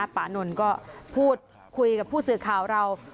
ปานนท์ก็พูดคุยกับผู้สื่อข่าวเรา